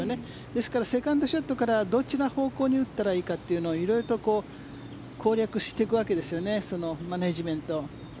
ですからセカンドショットの時からどっちの方向に打ったらいいかというのを色々と攻略していくわけですよね。